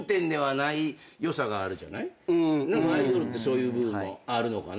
アイドルってそういう部分もあるのかなとは。